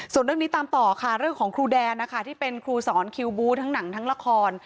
ส่วนเรื่องนี้ตามต่อค่ะเรื่องของครูแดนนะคะที่เป็นครูสอนคิวบูธทั้งหนังทั้งละคร